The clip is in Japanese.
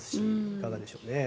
いかがでしょう。